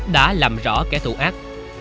đã làm rõ kẻ tù ác